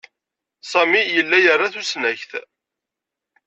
Sami yella ira tusnakt.